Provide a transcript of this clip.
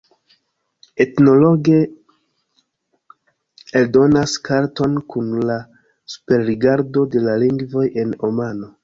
Ethnologue eldonas karton kun la superrigardo de la lingvoj en Omano.